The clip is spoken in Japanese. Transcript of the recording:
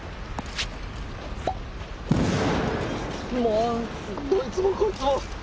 もうどいつもこいつも。